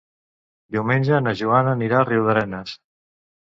Diumenge na Joana anirà a Riudarenes.